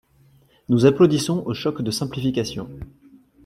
Nous applaudissons au choc de simplification